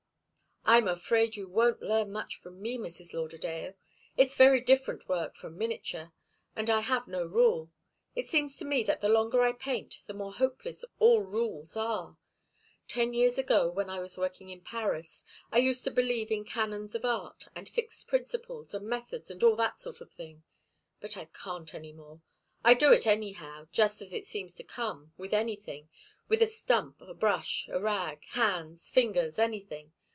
"I'm afraid you won't learn much from me, Mrs. Lauderdale. It's very different work from miniature and I have no rule. It seems to me that the longer I paint the more hopeless all rules are. Ten years ago, when I was working in Paris, I used to believe in canons of art, and fixed principles, and methods, and all that sort of thing. But I can't any more. I do it anyhow, just as it seems to come with anything with a stump, a brush, a rag, hands, fingers, anything.